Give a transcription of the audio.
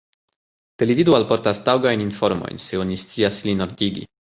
Televido alportas taŭgajn informojn, se oni scias ilin ordigi.